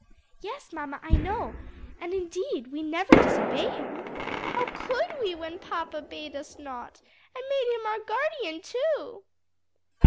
"Yes, mamma, I know, and indeed we never disobey him. How could we when papa bade us not? and made him our guardian, too?"